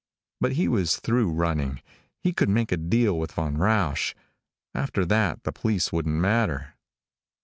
But he was through running. He could make a deal with Von Rausch. After that the police wouldn't matter.